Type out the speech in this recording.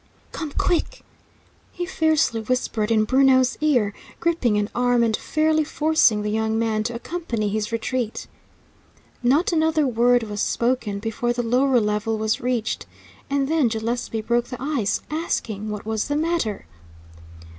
"Come, quick!" he fiercely whispered in Bruno's ear, gripping an arm, and fairly forcing the young man to accompany his retreat. Not another word was spoken before the lower level was reached, and then Gillespie broke the ice, asking what was the matter.